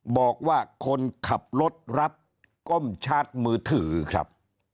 บอกว่าคนขับรถรับก้มชาร์จมือถือครับ